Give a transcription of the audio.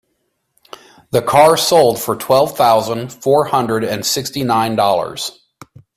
The car sold for twelve thousand four hundred and sixty nine dollars.